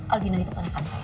aldina itu penyekat saya